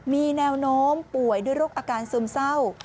มีแนวโน้มป่วยด้วยโรคอาการซึมเศร้า